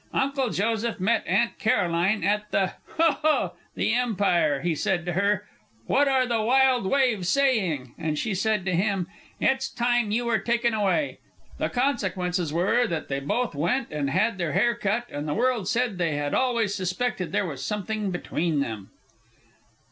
_) "Uncle Joseph met Aunt Caroline at the ho ho! the Empire! He said to her, 'What are the wild waves saying!' and she said to him, 'It's time you were taken away!' The consequences were that they both went and had their hair cut, and the world said they had always suspected there was something between them!"